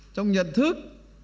trong nhận thức